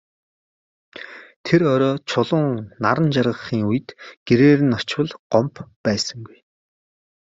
Тэр орой Чулуун наран жаргахын үед гэрээр нь очвол Гомбо байсангүй.